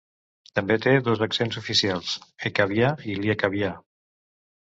També té dos accents oficials: ekavià i liekavià.